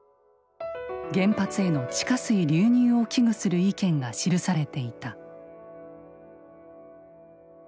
原発への地下水流入を危惧する意見が記されていた。